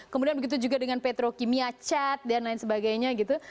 kemudian begitu juga dengan petrokimia cat dan lain sebagainya gitu